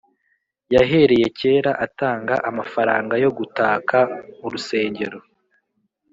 Yahereye cyera atanga amafaranga yo gutaka urusengero